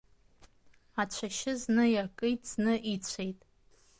Ацәашьы зны иакит, зны ицәеит…